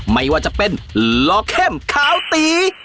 ไม่ว่าจะเป็นลอเข้มขาวตี